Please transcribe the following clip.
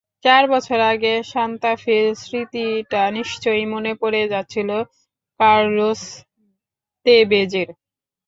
চার বছর আগে সান্তা ফের স্মৃতিটা নিশ্চয়ই মনে পড়ে যাচ্ছিল কার্লোস তেভেজের।